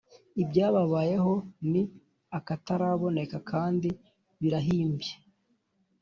Ibyababayeho ni akataraboneka kandi birahimbye,